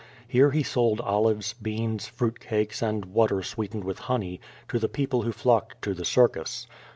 Here he sold olives, beans, fruit cakes and water sweetened with honey, to the people who flocked to the circus.